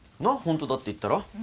ホントだって言ったろ？